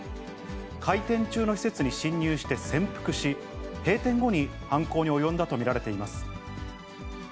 開店中の施設に侵入して潜伏し、閉店後に犯行に及んだと見られています。